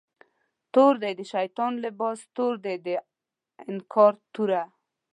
تور دی د شیطان لباس، تور دی د انکار توره